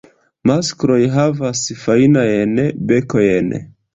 Maskloj havas fajnajn bekojn.